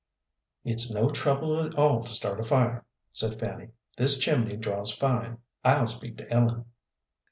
"It's no trouble at all to start a fire," said Fanny; "this chimney draws fine. I'll speak to Ellen."